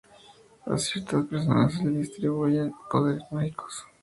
A ciertas personas se les atribuyen poderes mágicos.